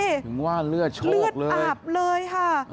ถึงว่าเลือดโชคเลยเลือดอาบเลยค่ะ